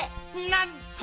なんと！